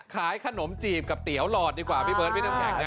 ขายขนมจีบกับเตี๋ยวหลอดดีกว่าพี่เบิร์ดพี่น้ำแข็ง